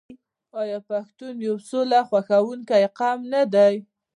آیا پښتون یو سوله خوښوونکی قوم نه دی؟